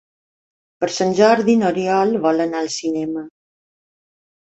Per Sant Jordi n'Oriol vol anar al cinema.